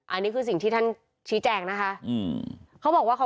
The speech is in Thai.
อันนี้คือสิ่งที่ท่านชี้แจ้งนะคะ